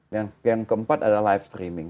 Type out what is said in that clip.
yang keempat adalah live streaming